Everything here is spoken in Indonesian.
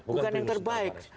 bukan yang terbaik